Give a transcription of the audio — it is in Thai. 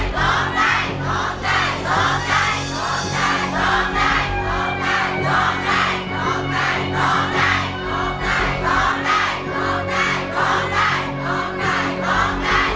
โทษให้โทษให้โทษให้โทษให้โทษให้โทษให้